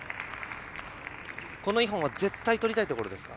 この２本は絶対、取りたいところですか。